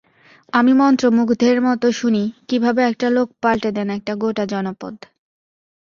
আমি মন্ত্রমুগ্ধের মতো শুনি, কীভাবে একটা লোক পাল্টে দেন একটা গোটা জনপদ।